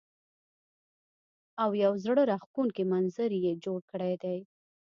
او يو زړۀ راښکونکے منظر يې جوړ کړے دے ـ